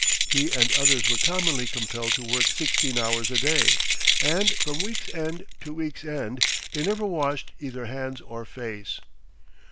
He and others were commonly compelled to work sixteen hours a day; and, from week's end to week's end, they never washed either hands or face.